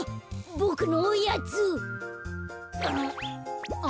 ボクのおやつ。